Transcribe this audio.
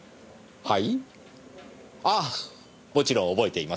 はい。